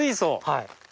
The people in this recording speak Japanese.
はい。